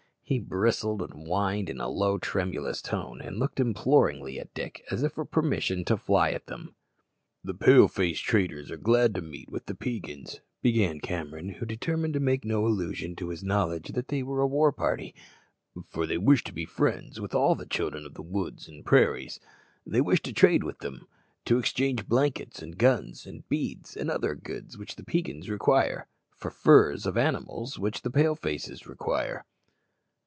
He bristled and whined in a low tremulous tone, and looked imploringly at Dick as if for permission to fly at them. "The Pale face traders are glad to meet with the Peigans," began Cameron, who determined to make no allusion to his knowledge that they were a war party, "for they wish to be friends with all the children of the woods and prairies. They wish to trade with them to exchange blankets, and guns, and beads, and other goods which the Peigans require, for furs of animals which the Pale faces require."